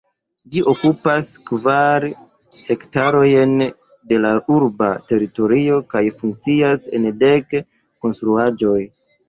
Ĝi okupas kvar hektarojn de la urba teritorio kaj funkcias en dek konstruaĵoj.